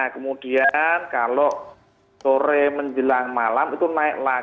kemudian kalau sore menjelang dan kemarin kalau pagi mah surut